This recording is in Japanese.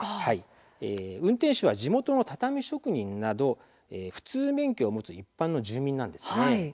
運転手は地元の畳職人など普通免許を持つ一般の住民なんです。